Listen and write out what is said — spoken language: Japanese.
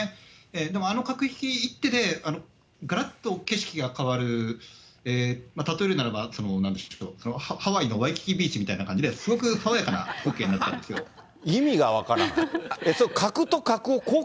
でもあの角一手でがらっと景色が変わる、例えるならば、ハワイのワイキキビーチみたいな感じで、すごく爽やかな風景にな意味が分からん。